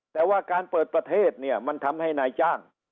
แต่ว่าการเปิดประเทศเนี่ยมันทำให้นายจ้าง